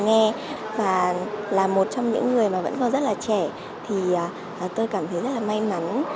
nghe và là một trong những người mà vẫn còn rất là trẻ thì tôi cảm thấy rất là may mắn